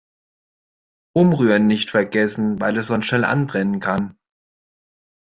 Umrühren nicht vergessen, weil es sonst schnell anbrennen kann.